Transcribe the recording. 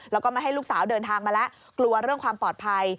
แล้วก็ไม่ให้ลูกสาวเดินทางมาแล้วกลัวเรื่องความปลอดภัย